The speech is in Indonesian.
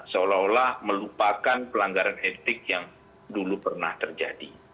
seolah olah melupakan pelanggaran etik yang dulu pernah terjadi